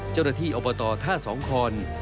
เจ้าหน้าที่อบตท่าสองคอน